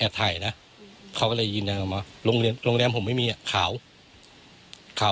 ถ่ายนะเขาก็เลยยืนยันว่าโรงเรียนโรงแรมผมไม่มีอ่ะขาวขาว